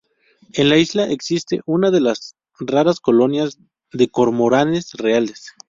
En la isla existe una de las raras colonias de cormoranes reales.